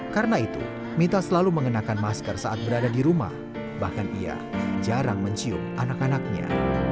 karena itu mita selalu mengenakan masker saat berada di rumah bahkan ia jarang mencium anak anaknya